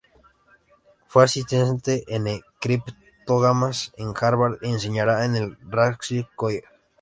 Fue asistente en Criptógamas en Harvard, y enseñará en el Radcliffe College.